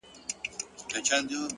مخامخ وتراشل سوي بت ته ناست دی”